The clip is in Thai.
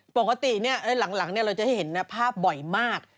ปกติหลังเราจะให้เห็นภาพบ่อยมาก